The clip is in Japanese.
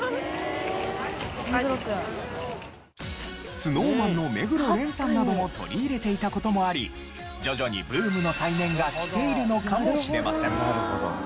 ＳｎｏｗＭａｎの目黒蓮さんなども取り入れていた事もあり徐々にブームの再燃がきているのかもしれません。